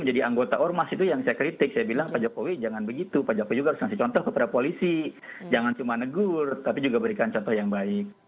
jangan cuma negur tapi juga berikan contoh yang baik